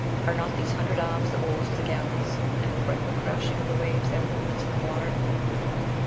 Are not these hundred arms the oars of the galleys, and the frightful crashing of the waves their movements in the water?